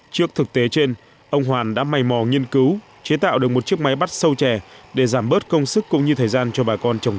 trước thực tế trên ông hoàn đã mày mò nghiên cứu chế tạo được một chiếc máy bắt sâu chè để giảm bớt công sức cũng như thời gian cho bà con trồng